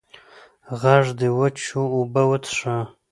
غږ دې وچ شو اوبه وڅښه!